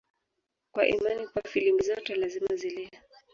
kwa imani kuwa filimbi zote lazima zilie